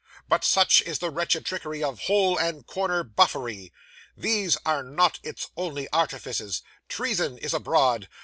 But such is the wretched trickery of hole and corner Buffery! These are not its only artifices. Treason is abroad.